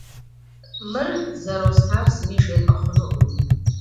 Мыр зэростар зыми жепӏэ хъунукъым.